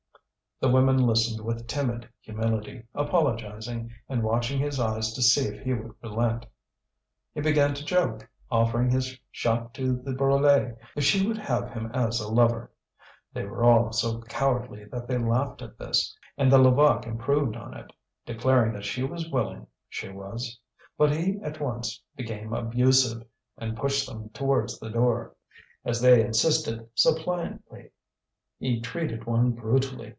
The women listened with timid humility, apologizing, and watching his eyes to see if he would relent. He began to joke, offering his shop to the Brulé if she would have him as a lover. They were all so cowardly that they laughed at this; and the Levaque improved on it, declaring that she was willing, she was. But he at once became abusive, and pushed them towards the door. As they insisted, suppliantly, he treated one brutally.